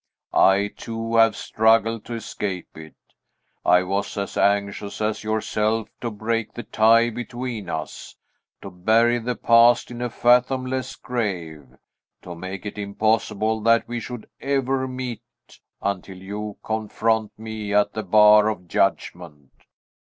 I, too, have struggled to escape it. I was as anxious as yourself to break the tie between us, to bury the past in a fathomless grave, to make it impossible that we should ever meet, until you confront me at the bar of Judgment!